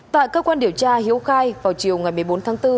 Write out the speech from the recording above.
tại cơ quan điều tra hiếu khai vào chiều ngày một mươi bốn tháng bốn